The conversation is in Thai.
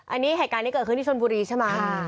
อันนี้เหตุการณ์ที่เกิดขึ้นที่ชนบุรีใช่ไหม